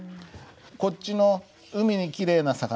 こっちの「海にきれいな魚」